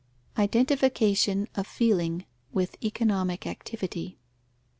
_Identification of feeling with economic activity.